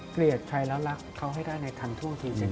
เกลียดใครแล้วรักเขาให้ได้ในทันท่วงทีหนึ่ง